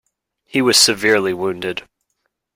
He was severely wounded.